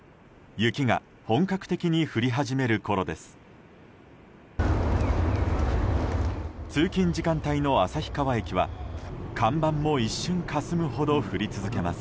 雪が本格的に降り始めるころです。